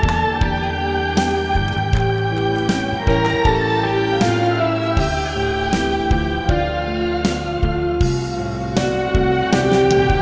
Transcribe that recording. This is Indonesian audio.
lu udah ngapain